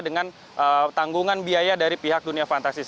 dengan tanggungan biaya dari pihak dunia fantasi